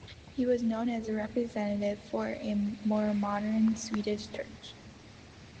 He was known as a representative for a more modern Swedish Church.